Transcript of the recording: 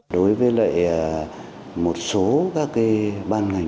đối với lại một số các ban ngành